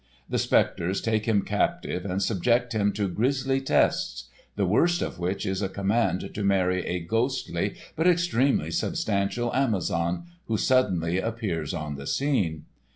The spectres take him captive and subject him to grisly tests—the worst of which is a command to marry a "ghostly" but extremely substantial Amazon who suddenly appears on the scene.